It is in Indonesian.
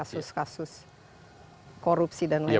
bagaimana untuk kasus kasus korupsi dan lain sebagainya